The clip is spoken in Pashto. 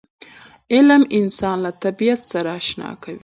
علم انسان له طبیعت سره اشنا کوي.